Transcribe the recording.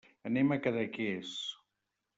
Anem a Cadaqués.